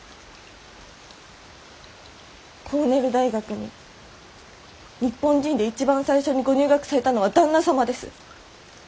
コーネル大学に日本人で一番最初にご入学されたのは旦那様です。